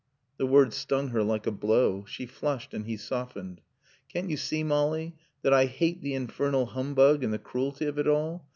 The words stung her like a blow. She flushed, and he softened. "Can't you see, Molly, that I hate the infernal humbug and the cruelty of it all?